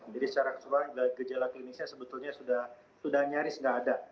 jadi secara keseluruhan gejala klinisnya sebetulnya sudah nyaris tidak ada